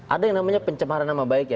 ada yang namanya pencemaran nama baik ya